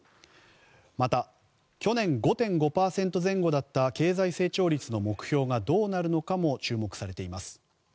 また去年５．５％前後だった経済成長率の目標がどうなるのかも注目されています。